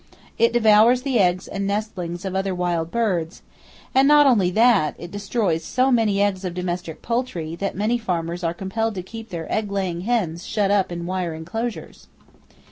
It devours the eggs and nestlings of other wild birds, and not only that, it destroys so many eggs of domestic poultry that many farmers are compelled to keep their egg laying hens shut up in wire enclosures!